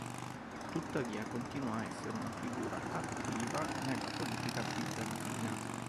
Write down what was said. Tuttavia continuò a essere una figura attiva nella politica bizantina.